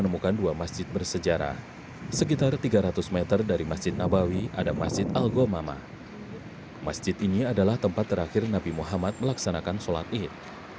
masjid ini adalah tempat terakhir nabi muhammad melaksanakan sholat id